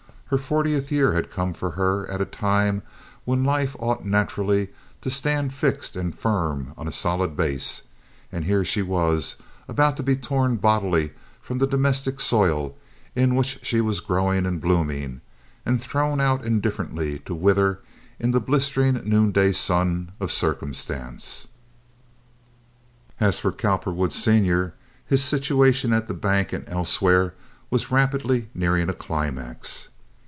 Her fortieth year had come for her at a time when life ought naturally to stand fixed and firm on a solid base, and here she was about to be torn bodily from the domestic soil in which she was growing and blooming, and thrown out indifferently to wither in the blistering noonday sun of circumstance. As for Cowperwood, Senior, his situation at his bank and elsewhere was rapidly nearing a climax.